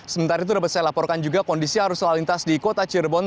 sementara itu dapat saya laporkan juga kondisi arus lalu lintas di kota cirebon